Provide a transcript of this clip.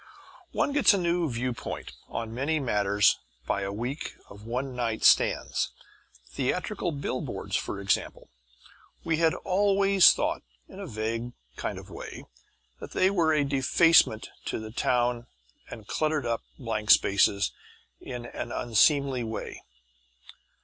One gets a new viewpoint on many matters by a week of one night stands. Theatrical billboards, for instance. We had always thought, in a vague kind of way, that they were a defacement to a town and cluttered up blank spaces in an unseemly way.